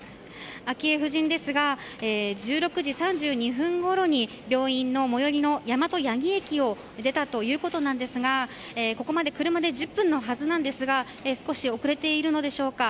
昭恵夫人ですが１６時３２分ごろに病院の最寄りの大和八木駅を出たということなんですがここまで車で１０分のはずなんですが少し遅れているのでしょうか。